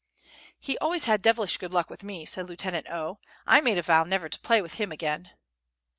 "He always had devilish good luck with me," said Lieutenant O. "I made a vow never to play with him again."